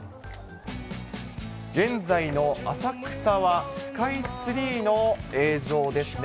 現在の浅草はスカイツリーの映像ですね。